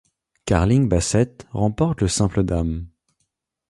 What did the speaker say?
Carling Bassett remporte le simple dames.